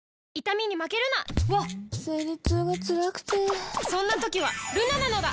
わっ生理痛がつらくてそんな時はルナなのだ！